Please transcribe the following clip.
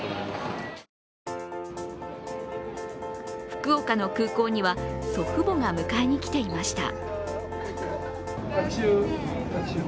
福岡の空港には、祖父母が迎えに来ていました。